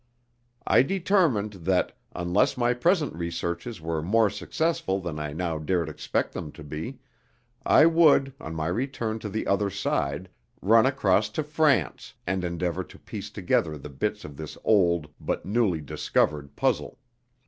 I determined that, unless my present researches were more successful than I now dared expect them to be, I would, on my return to the other side, run across to France, and endeavour to piece together the bits of this old but newly discovered puzzle.